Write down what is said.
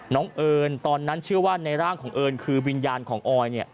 เอิญตอนนั้นเชื่อว่าในร่างของเอิญคือวิญญาณของออย